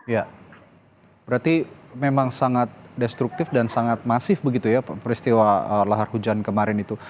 ya berarti memang sangat destruktif dan sangat masif begitu ya peristiwa lahar hujan kemarin itu